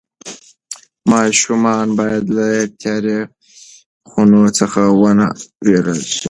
ماشومان باید له تیاره خونو څخه ونه وېرول شي.